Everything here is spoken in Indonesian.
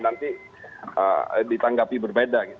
nanti ditanggapi berbeda